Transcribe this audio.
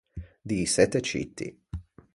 Dïsette citti.